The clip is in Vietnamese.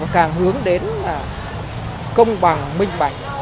càng hướng đến công bằng minh bạch